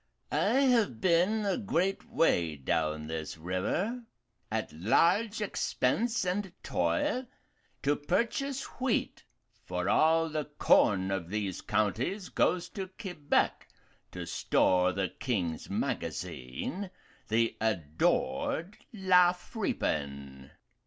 I have been a great way down this river, at large expense and toil, to purchase wheat, for all the corn of these counties goes to Quebec to store the King's magazine, the adored La Friponne.